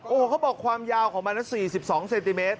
โอ้โหเขาบอกความยาวของมัน๔๒เซนติเมตร